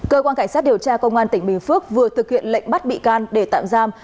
cơ quan cảnh sát điều tra công an tỉnh bình phước vừa thực hiện lệnh bắt bị can để tạm giam